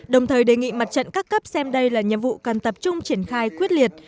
đồng thời đề nghị mặt trận các cấp xem đây là nhiệm vụ cần tập trung triển khai quyết liệt